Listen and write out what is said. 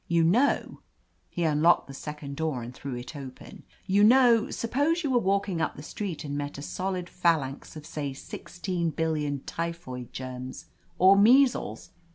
You know," — he unlocked the second door and threw it open, "you know, suppose you were walking up the street and met a solid phalanx of say sixteen billion typhoid germs, or measles!